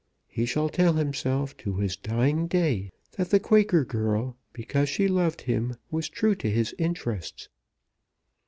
He shall tell himself to his dying day that the Quaker girl, because she loved him, was true to his interests."